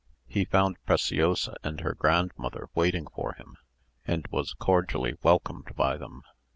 He found Preciosa and her grandmother waiting for him, and was cordially welcomed by them.